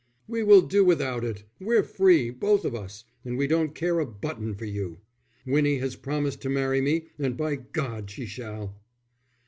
"We will do without it; we're free, both of us, and we don't care a button for you. Winnie has promised to marry me, and, by God, she shall."